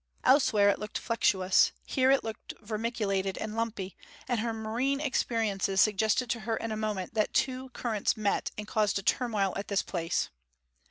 Elsewhere it looked flexuous, here it looked vermiculated and lumpy, and her marine experiences suggested to her in a moment that two currents met and caused a turmoil at this place.